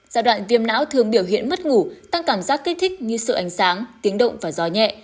giai đoạn viêm não thường biểu hiện mất ngủ tăng cảm giác kích thích như sợi ánh sáng tiếng động và gió nhẹ